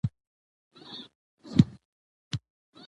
د سیدآباد د ولسوالۍ د بازار څخه